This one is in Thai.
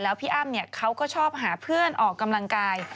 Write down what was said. พี่อ้ำเขาก็ชอบหาเพื่อนออกกำลังกาย